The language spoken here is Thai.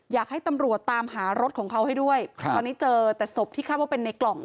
อยากให้ตำรวจตามหารถของเขาให้ด้วยครับตอนนี้เจอแต่ศพที่คาดว่าเป็นในกล่อง